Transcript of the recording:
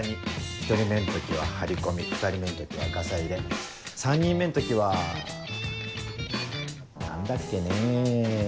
１人目の時は張り込み２人目の時はガサ入れ３人目の時は何だっけねぇ。